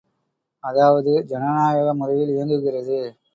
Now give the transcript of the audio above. அதாவது ஜனநாயக முறையில் இயங்குகிறது.